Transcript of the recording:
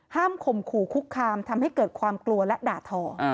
ข่มขู่คุกคามทำให้เกิดความกลัวและด่าทอ